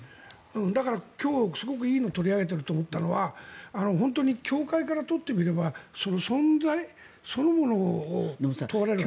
だから、今日、すごくいいのを取り上げていると思ったのは本当に教会からとってみれば存在そのものを問われる話。